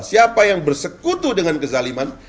siapa yang bersekutu dengan kezaliman